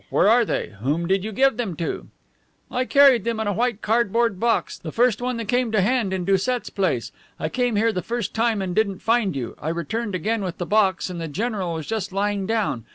Where are they? Whom did you give them to?" "I carried them in a white cardboard box, the first one that came to hand in Doucet's place. I came here the first time and didn't find you. I returned again with the box, and the general was just lying down.